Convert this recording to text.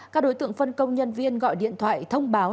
các đối tượng phân công nhân viên gọi điện thoại thông báo